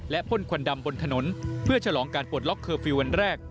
และพ่นควันดำบนถนนเพื่อฉลองการปลดล็อกเคอร์ฟิลลวันแรก